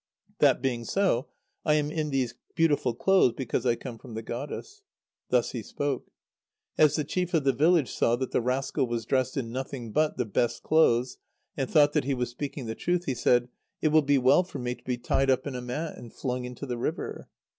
That being so, I am in these beautiful clothes because I come from the goddess." Thus he spoke. As the chief of the village saw that the rascal was dressed in nothing but the best clothes, and thought that he was speaking the truth, he said: "It will be well for me to be tied up in a mat, and flung into the river."